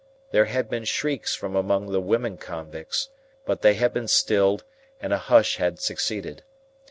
There had been shrieks from among the women convicts; but they had been stilled, and a hush had succeeded.